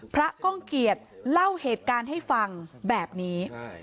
ก้องเกียจเล่าเหตุการณ์ให้ฟังแบบนี้